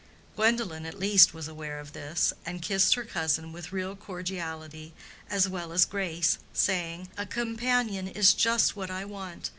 Gwendolen at least, was aware of this, and kissed her cousin with real cordiality as well as grace, saying, "A companion is just what I want.